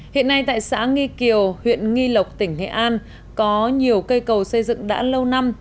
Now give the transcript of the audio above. hiện nay tại xã nghi kiều huyện nghi lộc tỉnh nghệ an có nhiều cây cầu xây dựng đã lâu năm